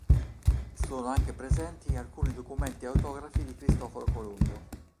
Sono anche presenti alcuni documenti autografi di Cristoforo Colombo.